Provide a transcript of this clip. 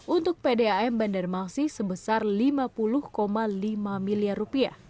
untuk pdam bandar mangsi sebesar rp lima puluh lima miliar